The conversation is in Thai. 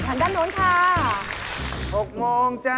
จำซึ้งเหรอ